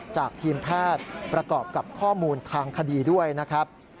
จากทีมแพทย์ประกอบกับข้อมูลทางคดีด้วยนะครับ